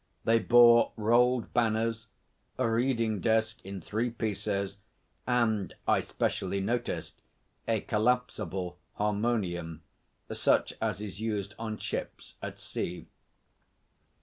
They bore rolled banners, a reading desk in three pieces, and, I specially noticed, a collapsible harmonium, such as is used on ships at sea.